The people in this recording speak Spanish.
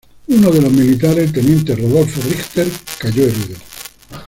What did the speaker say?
Uno de los militares, el teniente Rodolfo Richter, cayó herido.